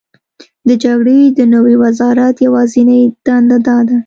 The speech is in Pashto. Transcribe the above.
د جګړې د نوي وزرات یوازینۍ دنده دا ده: